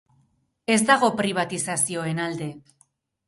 Ez dago pribatizazioen alde.